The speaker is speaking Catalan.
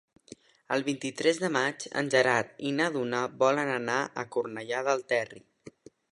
El vint-i-tres de maig en Gerard i na Duna volen anar a Cornellà del Terri.